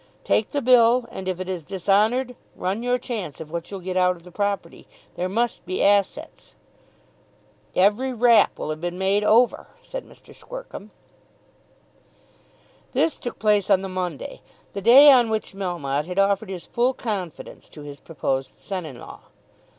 Take the bill; and if it is dishonoured run your chance of what you'll get out of the property. There must be assets." "Every rap will have been made over," said Mr. Squercum. This took place on the Monday, the day on which Melmotte had offered his full confidence to his proposed son in law.